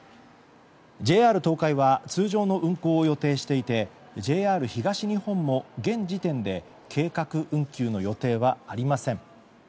ＪＲ東海は通常の運行を予定していてＪＲ東日本も現時点で計画運休の予定はありません。